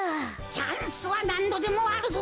チャンスはなんどでもあるぞ。